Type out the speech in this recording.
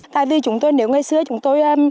tại vì chúng tôi nếu ngay xưa chúng tôi